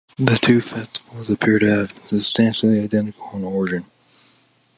The two festivals appear to have been substantially identical in origin.